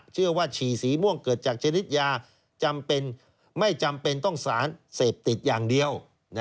เชื่อว่าฉี่สีม่วงเกิดจากชนิดยาไม่จำเป็นต้องสารเสพติดอย่างเดียว